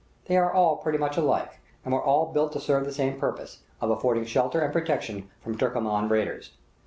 They are all pretty much alike, and were all built to serve the same purpose, of affording shelter and protection from Turkoman raiders.